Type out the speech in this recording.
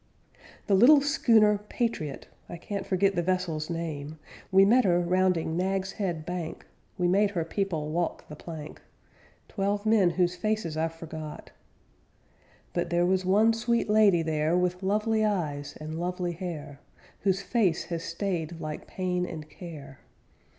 _'The little schooner "Patriot" _ I can't forget the vessel's name; We met her rounding Naggs Head Bank; We made her people walk the plank, Twelve men whose faces I forgot. But there was one sweet lady there, With lovely eyes and lovely hair, _Whose face has stayed like pain and care.